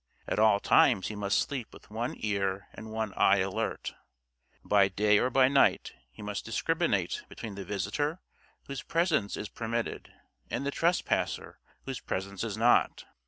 At all times he must sleep with one ear and one eye alert. By day or by night he must discriminate between the visitor whose presence is permitted and the trespasser whose presence is not.